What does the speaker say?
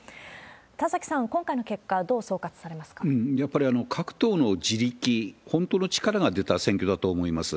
田崎さん、今回の結果、やっぱり、各党の自力、本当の力が出た選挙だと思います。